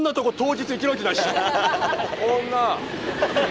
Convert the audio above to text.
こんな。